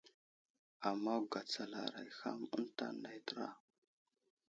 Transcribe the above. Ama gatsalaray ham eŋta nay təra.